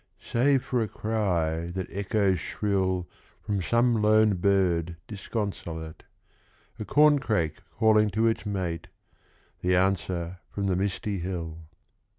Save for a cry that echoes shrill From some lone bird disconsolate; A corncrake calling to its mate; The answer from the misty hill.